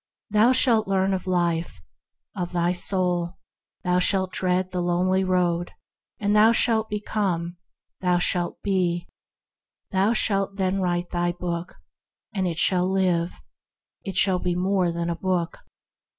Thou shalt learn of life, of thy soul; thou shalt tread the Lonely Road, and shalt become; thou shalt be. Thou shalt then write thy book, and it shall live; it shall be more than a book.